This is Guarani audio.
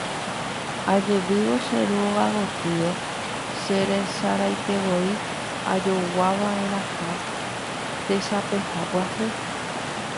Ajevývo che róga gotyo cheresaraietevoi ajoguava'erãha tesapeha pyahu.